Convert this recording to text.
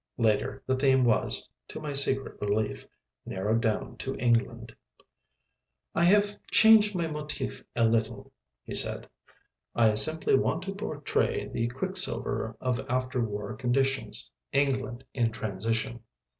Later, the theme was (to my secret relief) narrowed down to England. "I have changed my motif a little," he said. "I simply want to portray the quicksilver of after war conditions England in transition."